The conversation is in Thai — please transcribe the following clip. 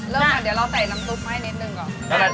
เริ่มกันเดี๋ยวเราใส่น้ำซุปให้นิดหนึ่งก่อน